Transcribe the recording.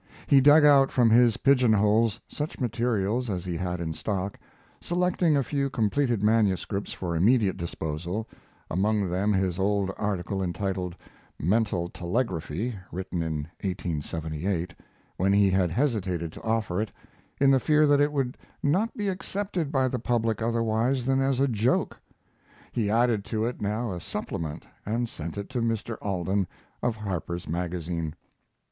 He dug out from his pigeonholes such materials as he had in stock, selecting a few completed manuscripts for immediate disposal among them his old article entitled, "Mental Telegraphy," written in 1878, when he had hesitated to offer it, in the fear that it would not be accepted by the public otherwise than as a joke. He added to it now a supplement and sent it to Mr. Alden, of Harper's Magazine.